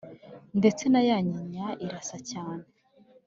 ndetse na ya nyinya irasa cyane